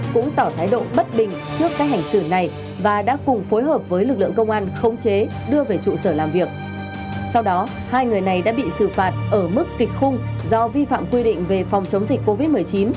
các đối tượng đã bị xử phạt ở mức kịch khung do vi phạm quy định về phòng chống dịch covid một mươi chín